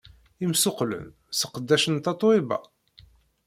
Imsuqqlen sseqdacen Tatoeba?